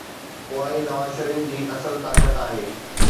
اها ئي نواز شريف جي اصل طاقت آهي.